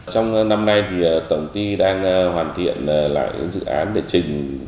trong năm nay thì tổng ty đang hoàn thiện lại dự án để trình